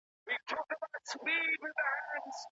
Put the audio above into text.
که ښوونځي خوندي انګړ ولري، نو ماشومان سړک ته نه راوځي.